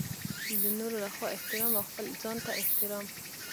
د نورو لخوا احترام او خپل ځانته احترام.